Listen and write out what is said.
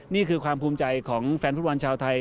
นี่คือความภูมิใจของแฟนฟุตบอลชาวไทย